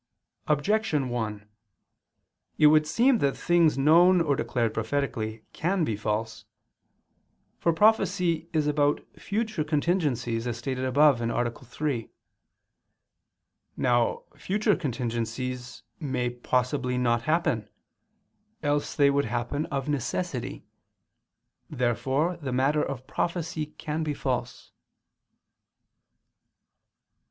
Objection 1: It would seem that things known or declared prophetically can be false. For prophecy is about future contingencies, as stated above (A. 3). Now future contingencies may possibly not happen; else they would happen of necessity. Therefore the matter of prophecy can be false.